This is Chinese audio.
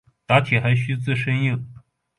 打铁还需自身硬。